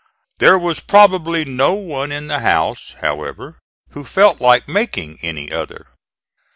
There was probably no one in the house, however, who felt like making any other.